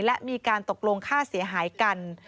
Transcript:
และมีการตกลงค่าเสียหายกัน